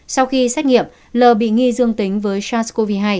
sau khi xét nghiệm l bị nghi dương tính với sars cov hai